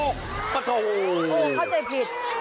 เข้าใจผิด